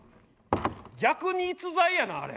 逆に逸材やなあれ。